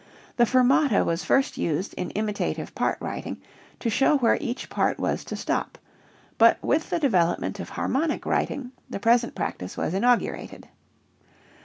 The fermata was first used in imitative part writing to show where each part was to stop, but with the development of harmonic writing the present practice was inaugurated.